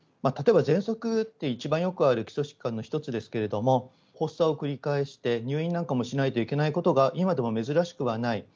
例えばぜんそくって、一番よくある基礎疾患の一つですけれども、発作を繰り返して、入院なんかもしないといけないことが、今でも珍しくはない。